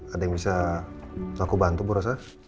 ada yang bisa aku bantu bu rosa